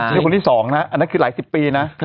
นี่คนที่๒นะอันนั้นคือหลายสิบปีนะ